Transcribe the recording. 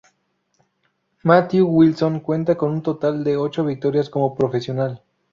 Matthew Wilson cuenta con un total de ocho victorias como profesional.